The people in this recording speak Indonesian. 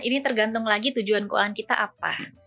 ini tergantung lagi tujuan keuangan kita apa